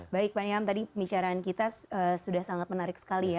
baik pak niam tadi pembicaraan kita sudah sangat menarik sekali ya